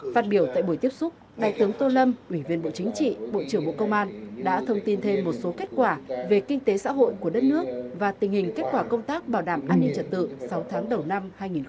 phát biểu tại buổi tiếp xúc đại tướng tô lâm ủy viên bộ chính trị bộ trưởng bộ công an đã thông tin thêm một số kết quả về kinh tế xã hội của đất nước và tình hình kết quả công tác bảo đảm an ninh trật tự sáu tháng đầu năm hai nghìn hai mươi ba